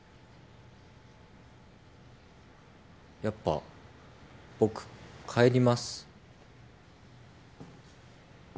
やっぱ僕帰ります。